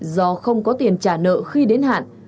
do không có tiền trả nợ khi đến hạn